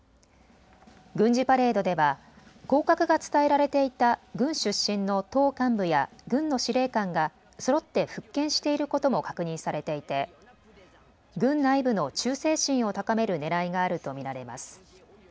軍事パレードでは降格が伝えられていた軍出身の党幹部や軍の司令官がそろって復権していることも確認されていて軍内部の忠誠心を高めるねらいがあると見られます。